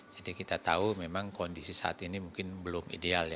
jadi kita tahu memang kondisi saat ini mungkin belum ideal